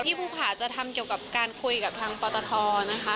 ภูผาจะทำเกี่ยวกับการคุยกับทางปตทนะคะ